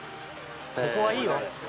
ここはいいよ